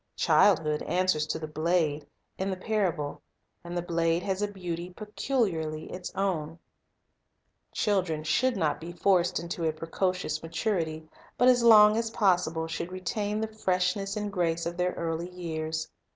Childhood answers to the blade in the parable, and the blade has a beauty peculiarly its simplicity own. Children should not be forced into a precocious maturity, but as long as possible should retain the fresh ness and grace of their early years.